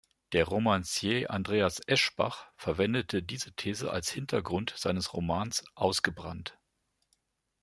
Der Romancier Andreas Eschbach verwendete diese These als Hintergrund seines Romans "Ausgebrannt.